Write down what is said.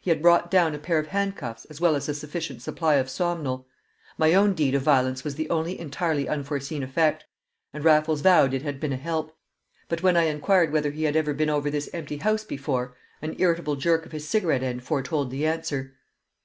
He had brought down a pair of handcuffs as well as a sufficient supply of Somnol. My own deed of violence was the one entirely unforeseen effect, and Raffles vowed it had been a help. But when I inquired whether he had ever been over this empty house before, an irritable jerk of his cigarette end foretold the answer.